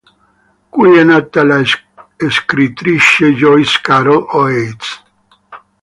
Qui è nata la scrittrice Joyce Carol Oates.